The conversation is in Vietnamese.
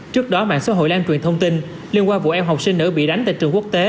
trước đó mạng xã hội lan truyền thông tin liên quan vụ em học sinh nữ bị đánh tại trường quốc tế